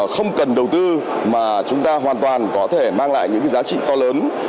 không cần đầu tư mà chúng ta hoàn toàn có thể mang lại những giá trị to lớn